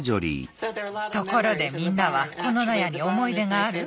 ところでみんなはこの納屋に思い出がある？